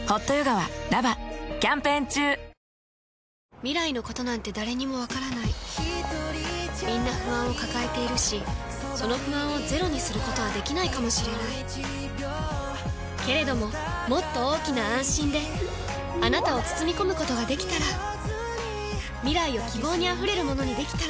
未来のことなんて誰にもわからないみんな不安を抱えているしその不安をゼロにすることはできないかもしれないけれどももっと大きな「あんしん」であなたを包み込むことができたら未来を希望にあふれるものにできたら